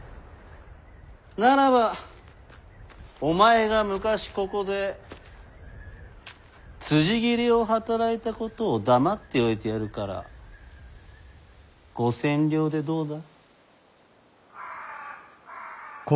ならばお前が昔ここでつじ斬りを働いたことを黙っておいてやるから５千両でどうだ？